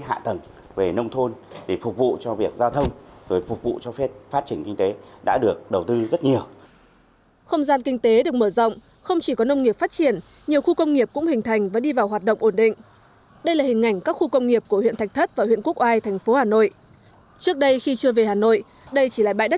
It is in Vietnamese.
hà nội hà nội hà nội hà nội hà nội hà nội hà nội hà nội hà nội hà nội hà nội hà nội hà nội hà nội hà nội hà nội hà nội hà nội hà nội hà nội hà nội hà nội hà nội hà nội hà nội hà nội hà nội hà nội hà nội hà nội hà nội hà nội hà nội hà nội hà nội hà nội hà nội hà nội hà nội hà nội hà nội hà nội hà nội hà nội h